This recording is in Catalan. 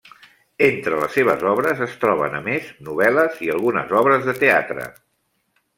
Entre les seves obres es troben, a més, novel·les i algunes obres de teatre.